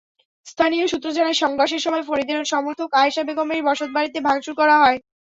স্থানীয় সূত্র জানায়, সংঘর্ষের সময় ফরিদের সমর্থক আয়েশা বেগমের বসতবাড়িতে ভাঙচুর করা হয়।